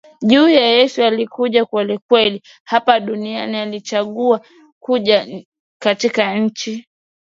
juu ya Yesu Alikuja kwelikweli hapa duniani Alichagua kuja katika nchi